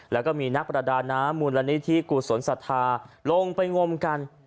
แล้วก็มีนักประดาน้ำมูลนิธิกุศลศรัทธาลงไปงมกัน